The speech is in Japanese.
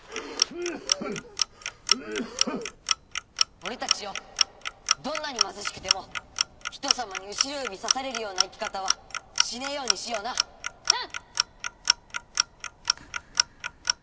・俺たちよぉどんなに貧しくてもひとさまに後ろ指さされるような生き方はしねぇようにしようなうん！